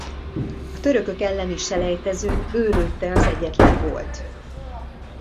A törökök elleni selejtezőn ő lőtte az egyetlen gólt.